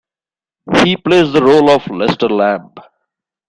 He plays the role of Lester Lamb.